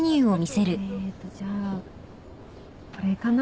えっとじゃあこれかな？